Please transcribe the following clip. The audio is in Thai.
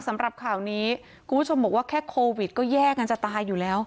สำหรับข่าวนี้คุณผู้ชมบอกว่าแค่โควิดก็แยกกันจะตายอยู่แล้ว